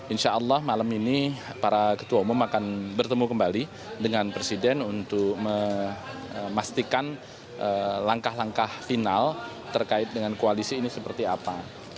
insya allah malam ini para ketua umum akan bertemu kembali dengan presiden untuk memastikan langkah langkah final terkait dengan koalisi ini seperti apa